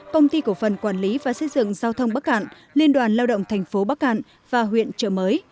công ty cổ phần quản lý và xây dựng giao thông bắc cạn liên đoàn lao động thành phố bắc cạn và huyện trợ mới